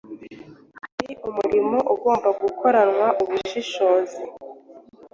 Hari umurimo ugomba gukoranwa ubushishozi